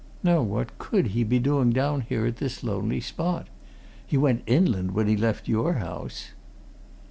Now, what could he be doing down at this lonely spot? He went inland when he left your house."